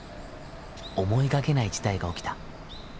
思いがけない事態が起きた。